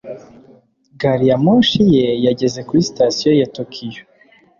Gari ya moshi ye yageze kuri Sitasiyo ya Tokiyo.